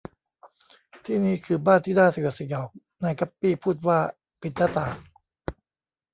ที่นี่คือบ้านที่น่าสยดสยอง นายกั๊ปปี้พูดว่า ปิดหน้าต่าง